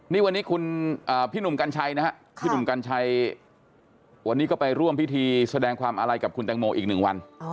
นี่วันนี้คุณพี่หนุ่มกัญชัยนะครับพี่หนุ่มกัญชัยวันนี้ก็ไปร่วมพิธีแสดงความอาลัยกับคุณแตงโมอีกหนึ่งวัน